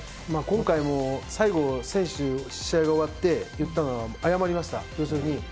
今回も最後選手に試合が終わって言ったのは、謝りました。